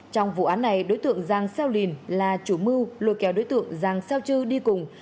trong vụ án này đối tượng giàng xeo lìn là chủ mưu lùi kéo đối tượng giàng xeo chư đi cùng